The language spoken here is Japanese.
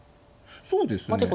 そうですね。